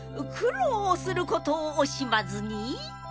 くろうすることをおしまずに！